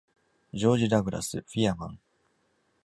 ジョージ・ダグラス。フィアマン。